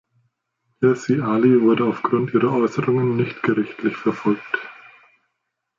Hirsi Ali wurde aufgrund ihrer Äußerungen nicht gerichtlich verfolgt.